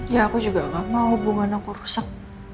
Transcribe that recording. ya aku juga gak mau hubungan aku kesek